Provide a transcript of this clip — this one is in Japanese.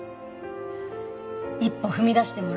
一歩踏み出してもらう。